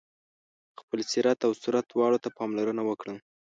خپل سیرت او صورت دواړو ته پاملرنه وکړه.